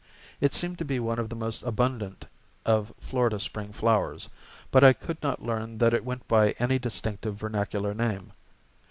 It seemed to be one of the most abundant of Florida spring flowers, but I could not learn that it went by any distinctive vernacular name.